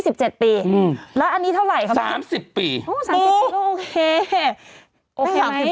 แล้วอันนี้เท่าไรครับคะโอ้โฮโอเคแล้วอันนี้๓๐ปี